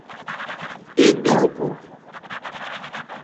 Indulgu!